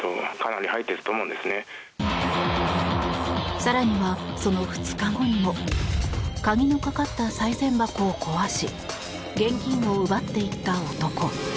更には、その２日後にも鍵のかかったさい銭箱を壊し現金を奪っていった男。